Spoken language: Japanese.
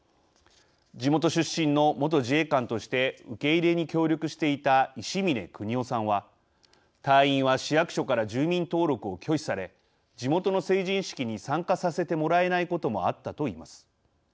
地元出身の元自衛官として受け入れに協力していた石嶺邦夫さんは隊員は市役所から住民登録を拒否され地元の成人式に参加させてもらえないこともあったといいます。